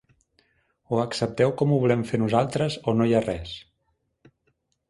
O accepteu com ho volem fer nosaltres, o no hi ha res.